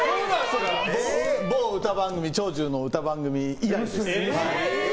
某長寿の歌番組以来です。